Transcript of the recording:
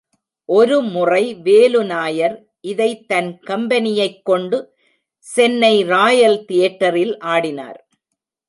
ஒரு முறை வேலு நாயர் இதைத் தன் கம்பெனியைக் கொண்டு சென்னை ராயல் தியேடேரில் ஆடினார்.